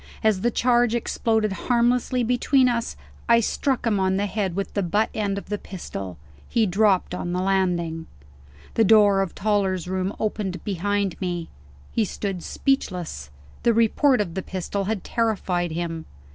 As the charge exploded harmlessly between us, I struck him on the head with the butt end of the pistol. He dropped on the landing. The door of Toller's room opened behind me. He stood speechless; the report of the pistol had terrified him.